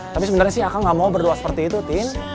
tapi sebenarnya sih aku gak mau berdoa seperti itu tin